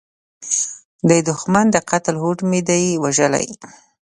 د دوښمن د قتل هوډ مې دی وژلی